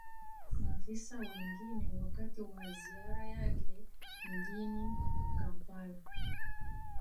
maafisa wengine wakati wa ziara yake mjini kampala